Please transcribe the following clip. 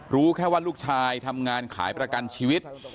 รู้แค่ว่าลูกชายทำงานขายประกันชีวิต